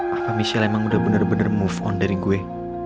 apa michelle emang udah bener bener move on dari gue